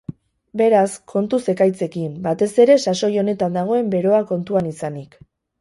Beraz, kontuz ekaitzekin, batez ere sasoi honetan dagoen beroa kontuan izanik.